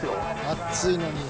「暑いのに」